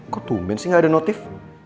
kok tumben sih gak ada notif